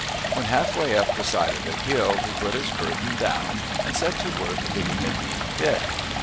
When half way up the side of the hill he put his burden down and set to work digging a deep pit.